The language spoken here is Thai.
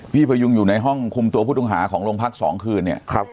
พยุงอยู่ในห้องคุมตัวผู้ต้องหาของโรงพัก๒คืนเนี่ย